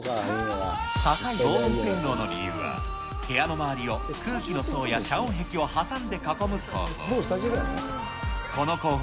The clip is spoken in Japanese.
高い防音性能の理由は、部屋の周りを空気の層や遮音壁を挟んで囲む工法。